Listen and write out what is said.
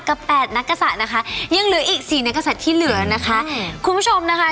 แปดนักกษัตริย์นะคะยังเหลืออีกสี่นักกษัตริย์ที่เหลือนะคะคุณผู้ชมนะคะ